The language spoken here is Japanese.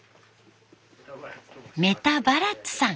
メタバラッツさん。